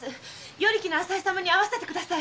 与力の浅井様に会わせてください！